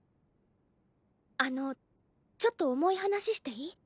あのちょっと重い話していい？